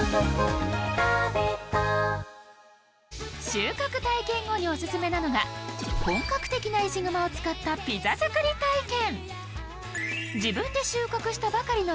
収穫体験後にオススメなのが本格的な石窯を使ったピザ作り体験。